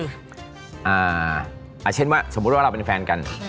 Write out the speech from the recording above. อย่างเช่นว่าสมมุติว่าเราเป็นแฟนกัน